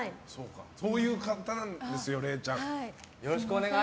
そういう方なんですよれいちゃん。